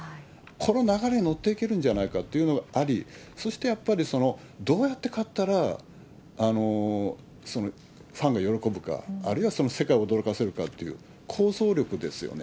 この流れに乗っていけるんじゃないかというのがあり、そしてやっぱりどうやって勝ったらファンが喜ぶか、あるいは世界を驚かせるかっていう、構想力ですよね。